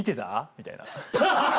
みたいな。